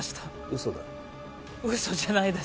嘘だ嘘じゃないです